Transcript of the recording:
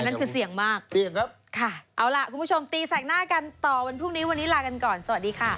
อันที่สึกเสี่ยงมากขอบคุณผู้ชมทีศกหน้ากันต่อวันพรุ่งนี้หลังกันก่อนสวัสดีค่ะ